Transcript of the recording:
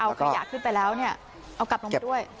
เอาขยะขึ้นไปแล้วเอากลับลงมาด้วย